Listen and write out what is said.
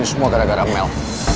semua gara gara mel